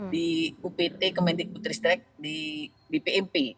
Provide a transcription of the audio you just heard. di upt kementik putristek di pmp